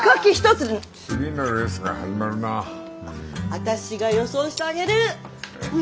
私が予想してあげる！